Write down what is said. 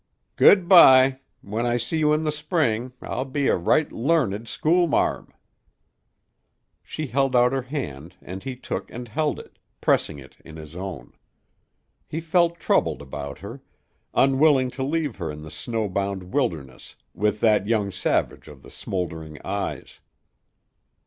"Good bye. When I see you in the spring, I'll be a right learned school marm." She held out her hand and he took and held it, pressing it in his own. He felt troubled about her, unwilling to leave her in the snowbound wilderness with that young savage of the smouldering eyes.